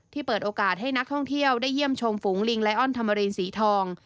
เปิดโอกาสให้นักท่องเที่ยวได้เยี่ยมชมฝูงลิงไลออนธรรมรีนสีทอง